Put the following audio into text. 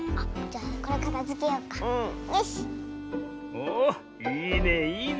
おいいねいいね。